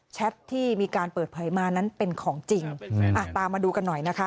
ที่มีการเปิดเผยมานั้นเป็นของจริงอ่ะตามมาดูกันหน่อยนะคะ